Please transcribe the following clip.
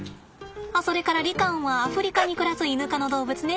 あっそれからリカオンはアフリカに暮らすイヌ科の動物ね。